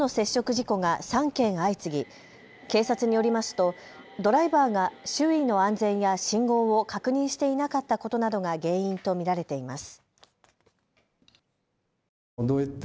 事故が３件相次ぎ警察によりますとドライバーが周囲の安全や信号を確認していなかったことなどが原因と見られています。